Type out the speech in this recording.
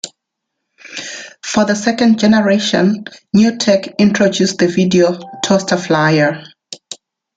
For the second generation NewTek introduced the Video Toaster Flyer.